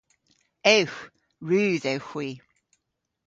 Ewgh. Rudh ewgh hwi.